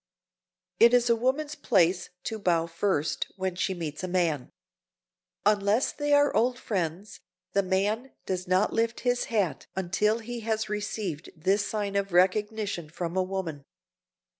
It is a woman's place to bow first, when she meets a man. Unless they are old friends, the man does not lift his hat until he has received this sign of recognition from a woman.